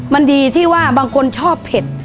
มันดีที่ว่าบางคนชอบเผ็ด